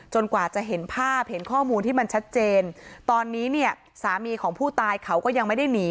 กว่าจะเห็นภาพเห็นข้อมูลที่มันชัดเจนตอนนี้เนี่ยสามีของผู้ตายเขาก็ยังไม่ได้หนี